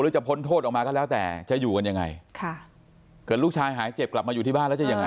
จะพ้นโทษออกมาก็แล้วแต่จะอยู่กันยังไงค่ะเกิดลูกชายหายเจ็บกลับมาอยู่ที่บ้านแล้วจะยังไง